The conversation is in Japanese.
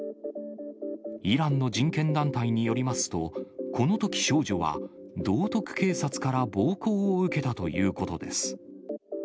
イランの人権団体によりますと、このとき、少女は道徳警察から暴行を受けたということです。